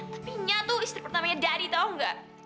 tapi nyah tuh istri pertamanya daddy tau gak